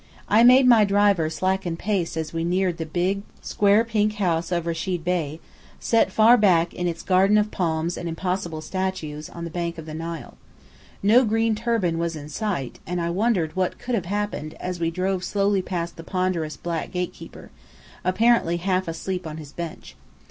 I made my driver slacken pace as we neared the big, square pink house of Rechid Bey, set far back in its garden of palms and impossible statues, on the bank of the Nile. No green turban was in sight, and I wondered what could have happened, as we drove slowly past the ponderous black gate keeper, apparently half asleep on his bench.